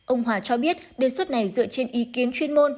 ông hòa cho biết đề xuất này dựa trên ý kiến chuyên môn